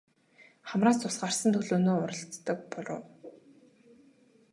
Хамраас цус гарсан төлөөнөө уралцдаг буруу.